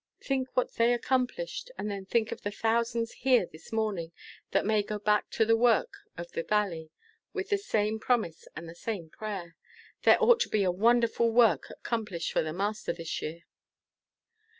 Think what they accomplished, and then think of the thousands here this morning that may go back to the work of the valley with the same promise and the same power! There ought to be a wonderful work accomplished for the Master this year."